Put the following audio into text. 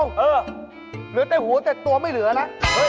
เออเหลือแต่หูแต่ตัวไม่เหลือนะ